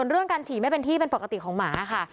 เรื่องการฉี่ไม่เป็นที่เป็นปกติของหมาค่ะ